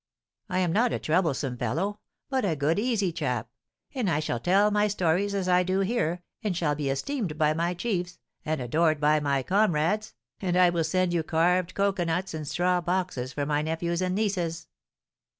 I am not a troublesome fellow, but a good, easy chap; and I shall tell my stories as I do here, and shall be esteemed by my chiefs, and adored by my comrades, and I will send you carved cocoanuts and straw boxes for my nephews and nieces."